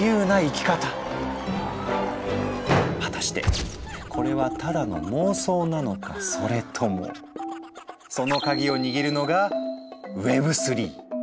果たしてこれはただの妄想なのかそれともそのカギを握るのが「Ｗｅｂ３」。